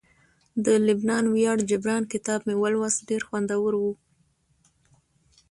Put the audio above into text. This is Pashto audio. د لبنان ویاړ جبران کتاب مې ولوست ډیر خوندور وو